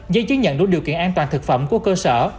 giấy chứng nhận đủ điều kiện an toàn thực phẩm của cơ sở